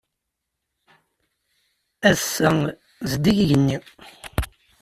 Ass-a, zeddig yigenni.